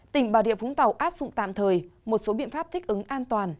tỉnh bà rịa vũng tàu áp dụng tạm thời một số biện pháp thích ứng an toàn